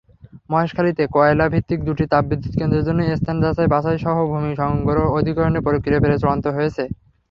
মহেশখালীতে কয়লাভিত্তিক দুটি তাপবিদ্যুৎকেন্দ্রের জন্য স্থান যাচাই-বাছাইসহ ভূমি অধিগ্রহণের প্রক্রিয়া প্রায় চূড়ান্ত হয়েছে।